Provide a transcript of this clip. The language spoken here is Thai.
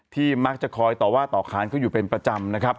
มักจะคอยต่อว่าต่อค้านเขาอยู่เป็นประจำนะครับ